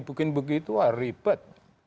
bikin begitu ribet